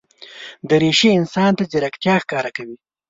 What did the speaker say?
دریشي انسان ته ځیرکتیا ښکاره کوي.